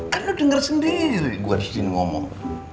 kan lo denger sendiri gue disini ngomong